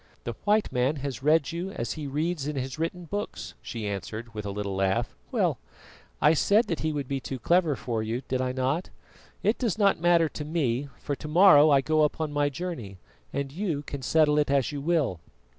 "The white man has read you as he reads in his written books," she answered, with a little laugh. "Well, I said that he would be too clever for you, did I not? It does not matter to me, for to morrow I go upon my journey, and you can settle it as you will."